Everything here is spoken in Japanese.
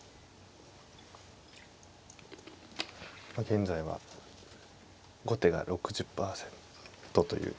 現在は後手が６０％という。